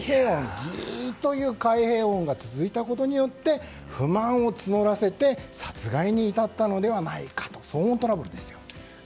ぎーという開閉音が続いたことによって不満を募らせて殺害に至ったのではないかという騒音トラブルです。